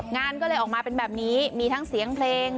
งานก็เลยออกมาเป็นแบบนี้มีทั้งเสียงเพลง